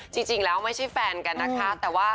ที่จริงแล้วไม่ใช่แฟนกันนะคะแต่ว่า